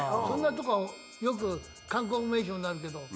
そんなとこよく観光名所になる。